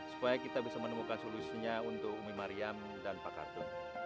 supaya kita bisa menemukan solusinya untuk umi mariam dan pak kartu